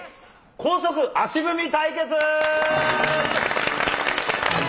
高速足踏み対決。